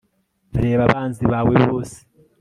reba abanzi bawe bose